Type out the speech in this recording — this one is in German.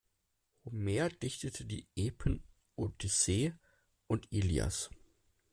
Homer dichtete die Epen-Odyssee und Ilias.